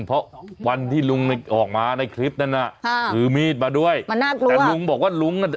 เพราะวันที่ลุงนึกออกมาในคลิปนั้นน่ะค่ะถือมีดมาด้วยมันน่ากลัวแต่ลุงบอกว่าลุงน่ะ